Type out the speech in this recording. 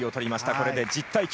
これで１０対９。